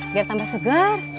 biar tambah segar